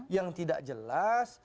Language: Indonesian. yang tidak jelas